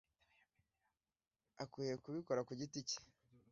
akwiye kubikora ku giti cye